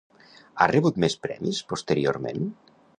Ha rebut més premis posteriorment?